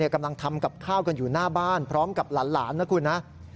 กำลังทำกับข้าวกันอยู่หน้าบ้านพร้อมกับหลานนะคุณนะ